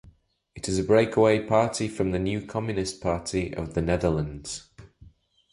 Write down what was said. It is a break-away party from the New Communist Party of the Netherlands.